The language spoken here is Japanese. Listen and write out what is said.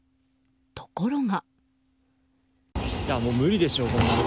ところが。